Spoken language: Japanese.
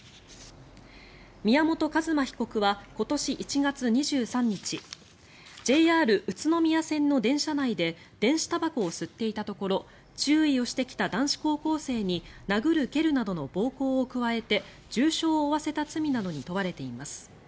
宮本一馬被告は今年１月２３日ＪＲ宇都宮線の電車内で電子たばこを吸っていたところ注意をしてきた男子高校生に殴る蹴るなどの暴行を加えて重傷を負わせた罪などに問われています。